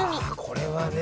これはね